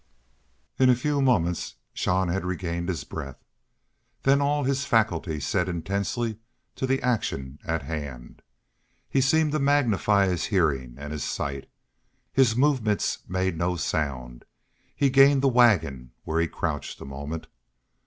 In a few moments Jean had regained his breath. Then all his faculties set intensely to the action at hand. He seemed to magnify his hearing and his sight. His movements made no sound. He gained the wagon, where he crouched a moment.